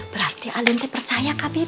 berarti adente percaya kak bibi